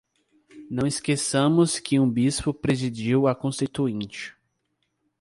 Não esqueçamos que um bispo presidiu a Constituinte